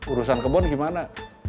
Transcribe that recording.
urusan kebun gimana